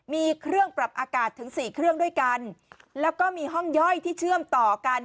มีเครื่องปรับอากาศถึงสี่เครื่องด้วยกันแล้วก็มีห้องย่อยที่เชื่อมต่อกัน